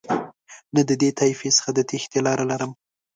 نه د دې طایفې څخه د تېښتې لاره لرم.